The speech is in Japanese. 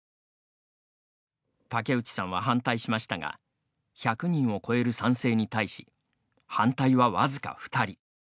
竹内さんは反対しましたが１００人を超える賛成に対し反対は僅か２人。